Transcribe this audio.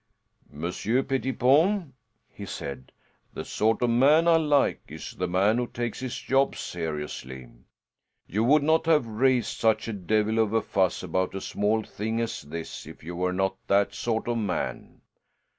"Monsieur Pettipon," he said, "the sort of man I like is the man who takes his job seriously. You would not have raised such a devil of a fuss about so small a thing as this if you were not that sort of man.